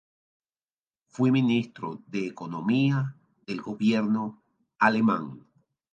Fue Ministro de Economía del gobierno alemán.